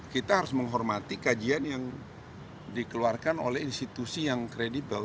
kita harus menghormati kajian yang dikeluarkan oleh institusi yang kredibel